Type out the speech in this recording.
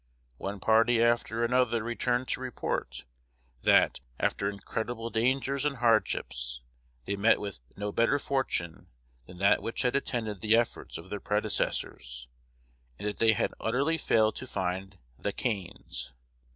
One party after another returned to report, that, after incredible dangers and hardships, they had met with no better fortune than that which had attended the efforts of their predecessors, and that they had utterly failed to find the "canes."